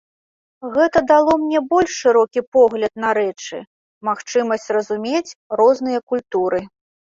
Гэта дало мне больш шырокі погляд на рэчы, магчымасць разумець розныя культуры.